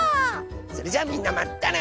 それじゃあみんなまたね！